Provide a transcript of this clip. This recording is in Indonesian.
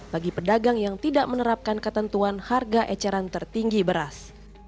bagi pedagang yang tidak menerapkan ketentuan harga eceran tertinggi beras